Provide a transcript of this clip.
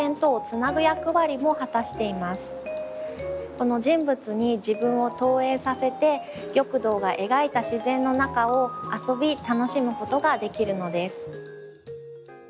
この人物に自分を投影させて玉堂が描いた自然の中を遊び楽しむことができるのです。